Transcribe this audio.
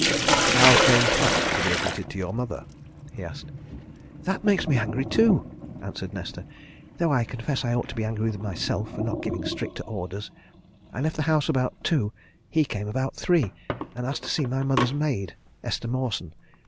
"How came Pratt to be admitted to your mother?" he asked. "That makes me angry, too," answered Nesta. "Though I confess I ought to be angry with myself for not giving stricter orders. I left the house about two he came about three, and asked to see my mother's maid, Esther Mawson.